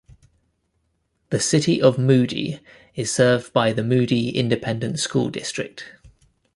The City of Moody is served by the Moody Independent School District.